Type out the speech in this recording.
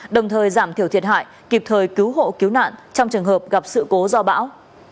đồng thời giảm thiểu thiệt hại kịp thời cứu hộ cứu nạn trong trường hợp gặp sự cố do bão